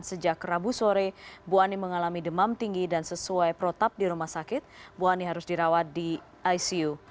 sejak rabu sore bu ani mengalami demam tinggi dan sesuai protap di rumah sakit bu ani harus dirawat di icu